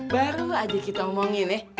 baru aja kita omongin ya